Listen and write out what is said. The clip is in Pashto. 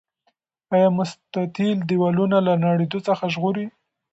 آیا مستطیل دیوالونه له نړیدو څخه ژغوري؟